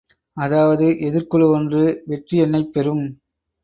அதாவது எதிர்க்குழு ஒரு வெற்றி எண்ணைப் பெறும்.